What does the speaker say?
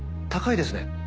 高いですね。